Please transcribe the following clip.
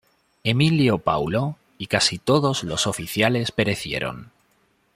Emilio Paulo y casi todos los oficiales perecieron.